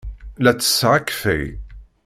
La ttesseɣ akeffay.